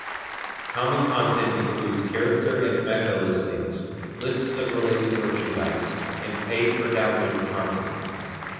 Common content includes character and mecha listings, lists of related merchandise and pay-for-download content.